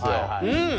うん。